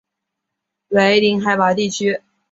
为零海拔地区。